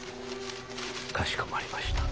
かしこまりました。